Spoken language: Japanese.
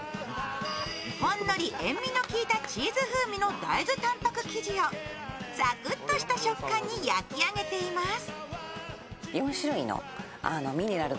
ほんのり塩みのきいたチーズ風味の大豆たんぱく生地をサクッとした食感に焼き上げています。